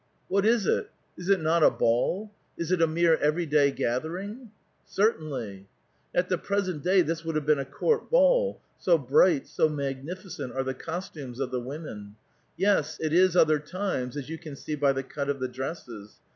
"What is it? Is it not a ball? Is it a mere every day gathering ?"" Certainly." At the present day this would have been a court ball, so bright, so magnificent are the costumes of the women. Yes, it is other times, as you can see by the cut of the dresses.